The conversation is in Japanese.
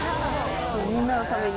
みんなのために。